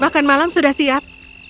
makan malam sudah siap